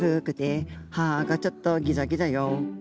歯がちょっとギザギザよ。